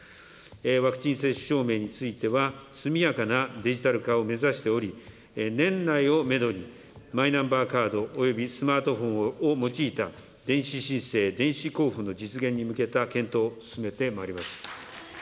ワクチン接種証明については、速やかなデジタル化を目指しており、年内をメドに、マイナンバーカードおよびスマートフォンを用いた電子申請、電子交付の実現に向けた検討を進めてまいります。